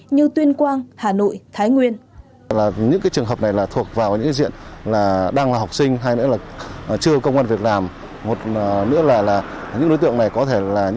như tuyên quang hà nội thái nguyên